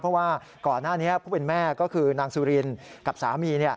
เพราะว่าก่อนหน้านี้ผู้เป็นแม่ก็คือนางสุรินกับสามี